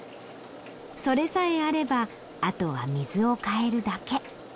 それさえあればあとは水を替えるだけ。